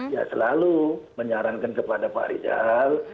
ya selalu menyarankan kepada pak rizal